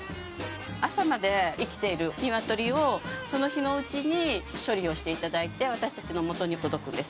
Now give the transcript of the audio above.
朝まで生きている鶏をその日のうちに処理をして頂いて私たちの元に届くんです。